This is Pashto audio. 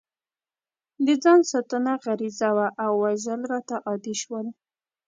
د ځان ساتنه غریزه وه او وژل راته عادي شول